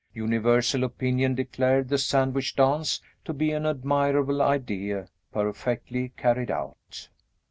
Universal opinion declared the Sandwich Dance to be an admirable idea, perfectly carried out.